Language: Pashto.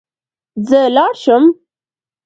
زه لاړ شم